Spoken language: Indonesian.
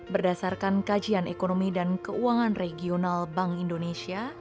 berdasarkan kajian ekonomi dan keuangan regional bank indonesia